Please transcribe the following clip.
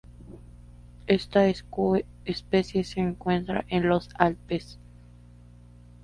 Esta especie se encuentra en los Alpes.